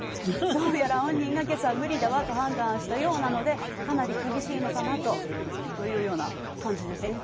「どうやら本人が今朝“無理だわ”と判断したようなのでかなりキビシイのかな？と」。というような感じですね。